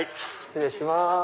失礼します。